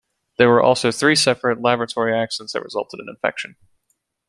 There were also three separate laboratory accidents that resulted in infection.